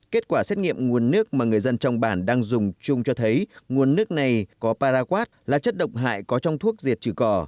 kết quả xét nghiệm nguồn nước mà người dân trong bản đang dùng chung cho thấy nguồn nước này có paraquat là chất độc hại có trong thuốc diệt trừ cỏ